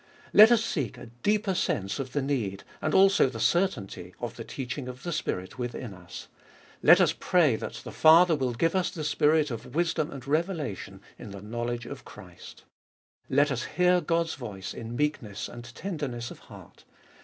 Let us seek a deeper sense of the need, and also the certainty, of the teaching of the Spirit within us: Let us pray "that the Father give us the Spirit of wisdom and revelation in the knowledge of Christ." Let us hear God's voice in meekness and tenderness of heart.